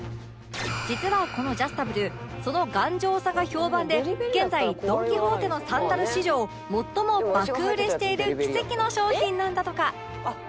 実はこのジャスタブルその頑丈さが評判で現在ドン・キホーテのサンダル史上最も爆売れしている奇跡の商品なんだとか